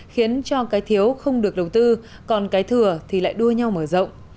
khiến cho cái thiếu không được đầu tư còn cái thừa thì lại đua nhau mở rộng